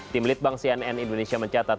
tim litbang cnn indonesia mencatat